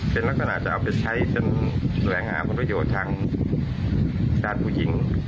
เป็นลักหนะจะเอาไปใช้เป็นแหลงหาพรุทธโยชน์ทางสาธารณ์ผู้หญิง